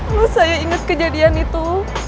loh saya inget kejadian itu